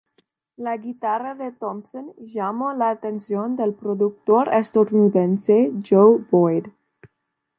La guitarra de Thompson llamó la atención del productor estadounidense Joe Boyd.